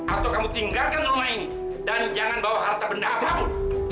atau kamu tinggalkan rumah ini dan jangan bawa harta benda apamu